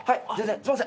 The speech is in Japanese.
すいません